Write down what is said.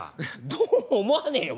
どうも思わねえよ。